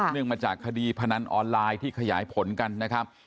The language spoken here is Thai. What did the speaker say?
มาจากคดีพนันออนไลน์ที่ขยายผลกันนะครับ